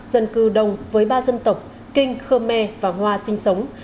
dân cư đông với ba dân tộc kinh khơ me và hoa sinh sống